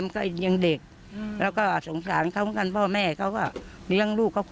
แม่ตกลงกันใช่ไหมครับ